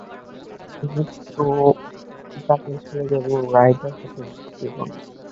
আমি তোর জাতের ছেলেদেরও রাইডার হতে দিবো না।